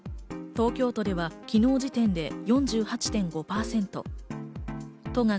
東京都では昨日時点で４８．５％。